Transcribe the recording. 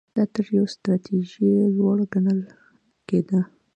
دا تر یوې ستراتیژۍ لوړ ګڼل کېده.